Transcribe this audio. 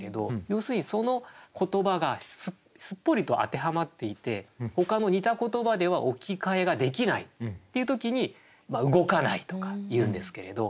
要するにその言葉がすっぽりと当てはまっていてほかの似た言葉では置き換えができないっていう時に動かないとかいうんですけれど。